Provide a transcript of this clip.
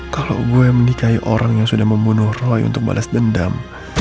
kalau gue menikahi orang yang sudah membunuh roy untuk balas dendam